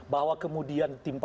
bahwa kemudian tim paspun dua juga